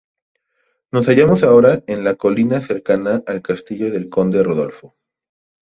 Nos hallamos ahora en la colina cercana al castillo del conde Rodolfo.